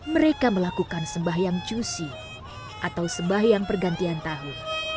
mereka melakukan sembah yang cusi atau sembah yang pergantian tahu